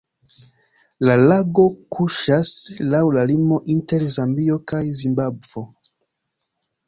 La lago kuŝas laŭ la limo inter Zambio kaj Zimbabvo.